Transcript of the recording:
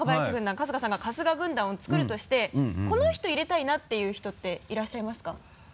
春日さんが春日軍団を作るとしてこの人入れたいなっていう人っていらっしゃいますか？